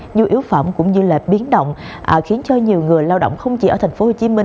như yếu phẩm cũng như biến động khiến cho nhiều người lao động không chỉ ở tp hcm